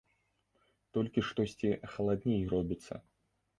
Толькі штосьці халадней робіцца.